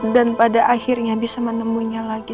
pada akhirnya bisa menemunya lagi